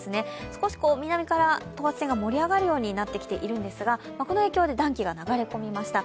少し南から等圧線が盛り上がるようになっているんですがこの影響で暖気が流れ込みました。